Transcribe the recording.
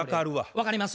分かります？